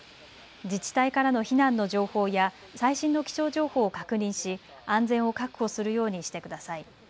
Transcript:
自治体からの避難の情報や最新の気象情報を確認し安全を確保するようにしてください。